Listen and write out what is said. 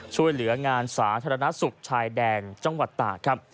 ช่วยเหลืองานสาธารณสุขชายแดนจังหวัดตากครับ